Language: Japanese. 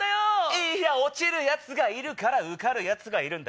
いや落ちる奴がいるから受かる奴がいるんだ。